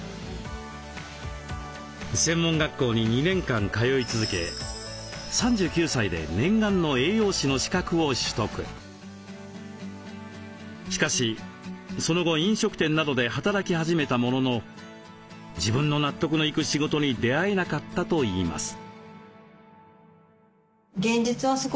専門学校に２年間通い続けしかしその後飲食店などで働き始めたものの自分の納得のいく仕事に出会えなかったといいます。